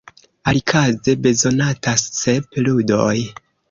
Alikaze bezonatas sep ludoj.